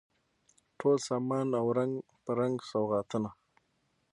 ټول سامان او رنګ په رنګ سوغاتونه